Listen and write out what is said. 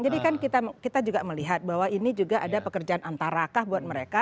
jadi kan kita juga melihat bahwa ini juga ada pekerjaan antarakah buat mereka